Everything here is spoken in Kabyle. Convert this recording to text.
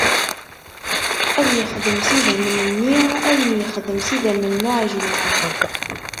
Ad ixdem s idammen-nni ayen yexdem s idammen n uɛejmi.